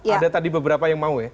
ada tadi beberapa yang mau ya